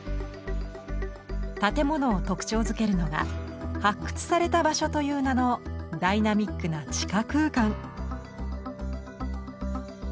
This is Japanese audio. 建物を特徴づけるのが「発掘された場所」という名のダイナミックな地下空間。